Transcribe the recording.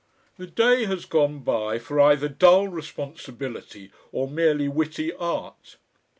"The day has gone by for either dull responsibility or merely witty art."